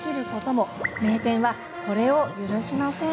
名店はこれを許しません。